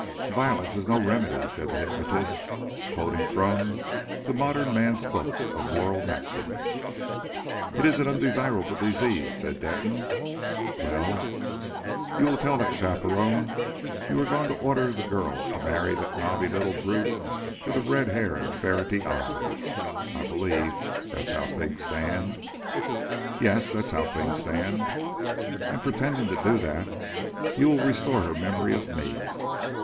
"Violence is no remedy," said the hypnotist, quoting from the "Modern Man's Book of Moral Maxims." "It's an undesirable disease," said Denton. "Well?" "You will tell that chaperone you are going to order the girl to marry that knobby little brute with the red hair and ferrety eyes. I believe that's how things stand?" "Yes that's how things stand." "And, pretending to do that, you will restore her memory of me."